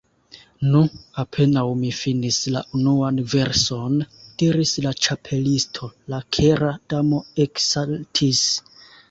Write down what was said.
"Nu, apenaŭ mi finis la unuan verson," diris la Ĉapelisto, "la Kera Damo eksaltis. »